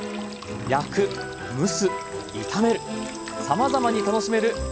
焼く蒸す炒めるさまざまに楽しめる万能選手です。